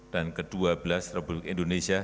dan ke dua belas republik indonesia